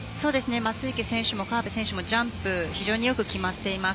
松生選手も河辺選手もジャンプよく決まっています。